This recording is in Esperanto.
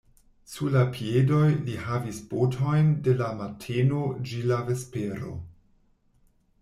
Sur la piedoj li havis botojn de la mateno ĝi la vespero.